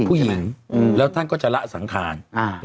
ผู้หญิงแล้วท่านก็จะละสังขาร